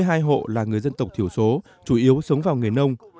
các hộ là người dân tộc thiểu số chủ yếu sống vào người nông